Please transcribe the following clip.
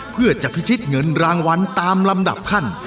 เพื่อจะพิชิตเงินรางวัลตามลำดับขั้น